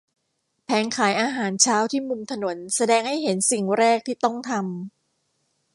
แผงขายอาหารเช้าที่มุมถนนแสดงให้เห็นสิ่งแรกที่ต้องทำ